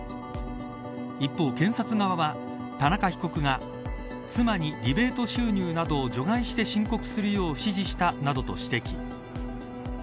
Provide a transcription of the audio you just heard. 一方、検察側は田中被告が妻にリベート収入などを除外して申告するよう指示したなどと指摘。